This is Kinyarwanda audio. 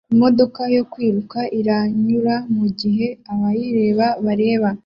Imodoka yo kwiruka iranyura mugihe abayireba bareba